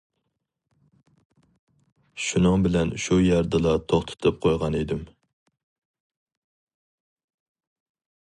شۇنىڭ بىلەن شۇ يەردىلا توختىتىپ قويغان ئىدىم.